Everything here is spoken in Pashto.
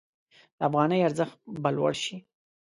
د افغانۍ ارزښت به لوړ شي.